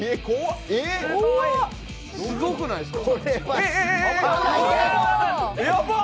すごくないですか？